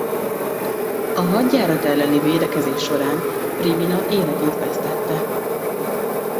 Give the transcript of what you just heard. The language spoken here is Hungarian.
A hadjárat elleni védekezés során Pribina életét vesztette.